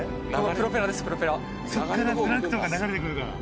プロペラそこからプランクトンが流れて来るから